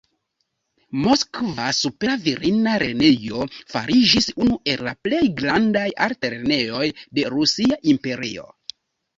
Moskva supera virina lernejo fariĝis unu el la plej grandaj altlernejoj de Rusia Imperio.